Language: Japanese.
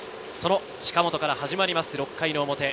近本から始まります、６回表。